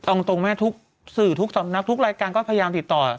เอาตรงแม่ทุกสื่อทุกสำนักทุกรายการก็พยายามติดต่อ